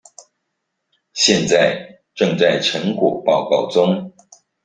現在正在成果報告中